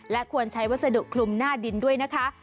และควรใช้วัสดุคลุมหน้าดินด้วยนะคะ